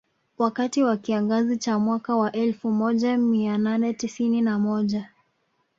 Wakati wa kiangazi cha mwaka wa elfu moja mia nane tisini na moja